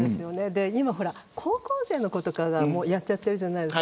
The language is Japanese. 高校生の子とかがやっているじゃないですか。